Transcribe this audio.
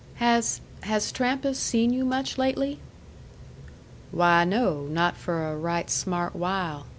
"Has has Trampas seen you much lately?" "Why, no; not for a right smart while.